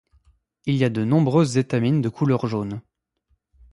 Il y de nombreuses étamines de couleur jaune.